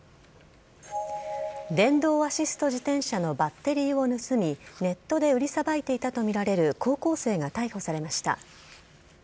電動アシスト自転車のバッテリーを盗み、ネットで売りさばいていたと見られる高校生が逮捕されました。